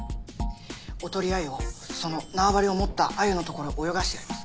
おとりアユをその縄張りを持ったアユのところに泳がしてやります。